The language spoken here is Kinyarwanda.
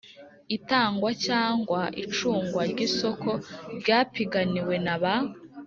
Itangwa cyangwa icungwa ry isoko ryapiganiwe n aba